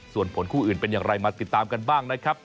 ส่วนผลคู่อื่นเป็นอย่างไรมาติดตามกันบ้างนะครับ